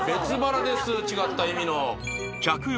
違った意味の着用